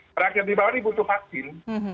pada akhirnya di bawah ini butuh vaksin